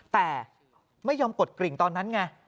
แต่ไม่ยอมกดกริ่งตอนนั้นไง